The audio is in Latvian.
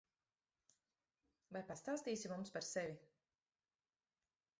Vai pastāstīsi mums par sevi?